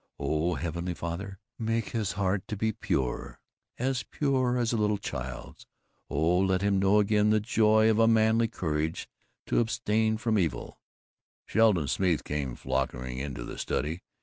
O Heavenly Father, make his heart to be pure, as pure as a little child's. Oh, let him know again the joy of a manly courage to abstain from evil " Sheldon Smeeth came frolicking into the study.